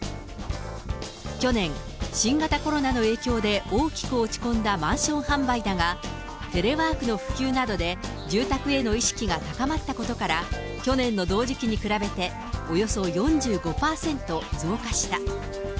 去年、新型コロナの影響で大きく落ち込んだマンション販売だが、テレワークの普及などで、住宅への意識が高まったことから、去年の同時期に比べて、およそ４５％増加した。